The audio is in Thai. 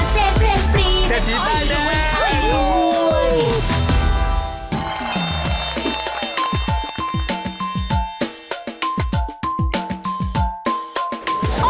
เซ็ตเตรียมฟรีไม่ต้องอีกแล้ว